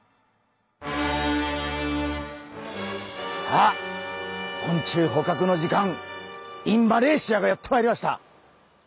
さあ昆虫捕獲の時間ｉｎマレーシアがやってまいりました。